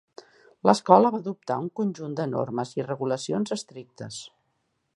L'escola va adoptar un conjunt de normes i regulacions estrictes.